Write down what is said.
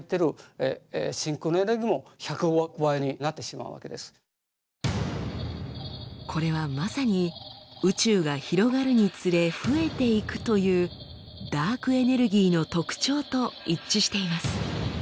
つまりこれはまさに宇宙が広がるにつれ増えていくというダークエネルギーの特徴と一致しています。